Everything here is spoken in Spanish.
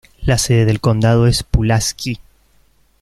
La sede del condado es Pulaski.